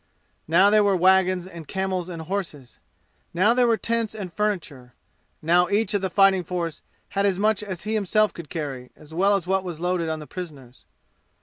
Now there were wagons and camels and horses. Now there were tents and furniture. Now each man of the fighting force had as much as he himself could carry, as well as what was loaded on the prisoners.